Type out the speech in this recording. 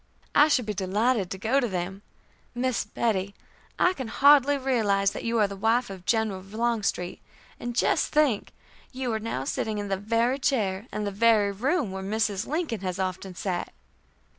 "I should be delighted to go to them. Miss Bettie, I can hardly realize that you are the wife of General Longstreet; and just think, you are now sitting in the very chair and the very room where Mrs. Lincoln has often sat!"